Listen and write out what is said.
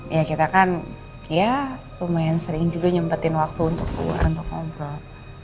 ya kita kan ya lumayan sering juga nyempetin waktu untuk keluar untuk ngobrol